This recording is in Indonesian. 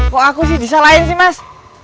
kok aku sih disalahin sih mas